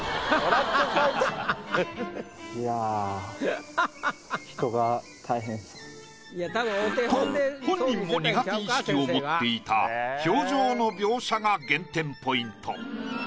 ハハハハ！と本人も苦手意識を持っていた表情の描写が減点ポイント。